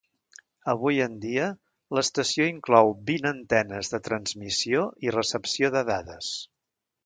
Avui en dia, l'estació inclou vint antenes de transmissió i recepció de dades.